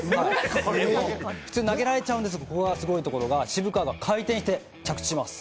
普通に投げられちゃうのがすごいところが渋川が回転して着地します。